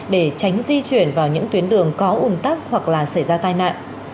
để tránh di chuyển vào những tuyến đường có un tắc hoặc là xảy ra tai nạn